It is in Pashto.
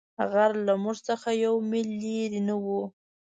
غر له موږ څخه یو مېل لیرې نه وو.